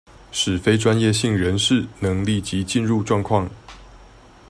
使非專業性人士能立即進入狀況